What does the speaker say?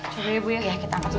coba ya bu ya kita angkat dulu